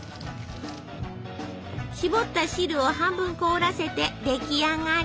しぼった汁を半分凍らせて出来上がり！